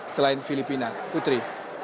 selain filipina putri